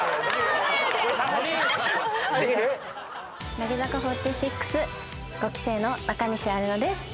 乃木坂４６５期生の中西アルノです。